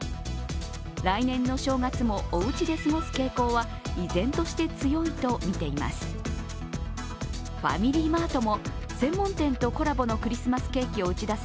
来年の正月もおうちで過ごす傾向は依然として強いとみています。